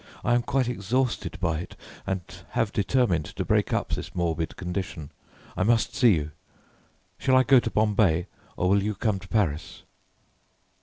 I am quite exhausted by it, and have determined to break up this morbid condition. I must see you. Shall I go to Bombay, or will you come to Paris?"